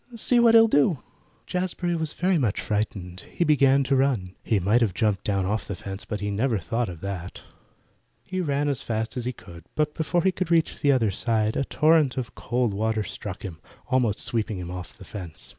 "See what he'll do." Jazbury was very much frightened. He began to run. He might have jumped down off the fence, but he never thought of that. He ran as fast as he could, but before he could reach the other side a torrent of cold water struck him, almost sweeping him off the fence.